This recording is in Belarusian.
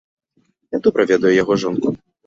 Я добра ведаю яго жонку.